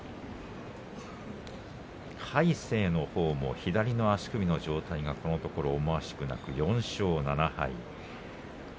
魁聖のほうも左の足首の状態がこのところ思わしくなく４勝７敗。